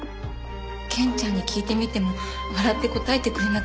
ケンちゃんに聞いてみても笑って答えてくれなくて。